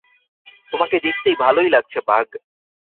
তোমাকে দেখতে ভালোই লাগছে, বায।